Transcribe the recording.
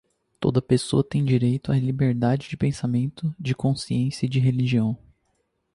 Toda a pessoa tem direito à liberdade de pensamento, de consciência e de religião;